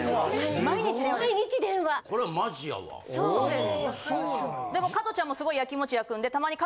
でも加トちゃんもすごいやきもち焼くんでたまに。